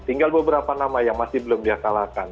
tinggal beberapa nama yang masih belum dia kalahkan